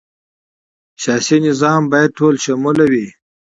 سیاسي نظام باید ټولشموله وي